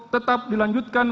ke banyak perhatian